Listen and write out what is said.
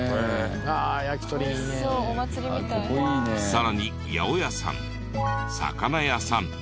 さらに八百屋さん魚屋さん